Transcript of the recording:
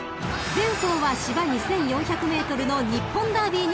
［前走は芝２，４００ｍの日本ダービーに出走］